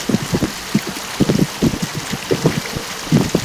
পরে রাত নয়টার দিকে সেখান থেকে ফেরার পথে তাঁর ওপর হামলা হয়।